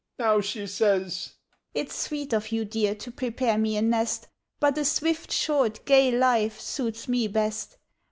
Now she says: 'It's sweet of you, dear, to prepare me a nest, But a swift, short, gay life suits me best.